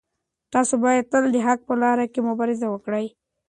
تاسو باید تل د حق په لاره کې مبارزه وکړئ.